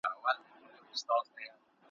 تا چي هر څو مره بریا وي دي ګټلي